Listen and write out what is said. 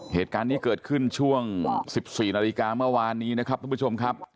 เหตุการณ์นี้เกิดขึ้นช่วง๑๔นาฬิกาเมื่อวานนี้นะครับทุกผู้ชมครับ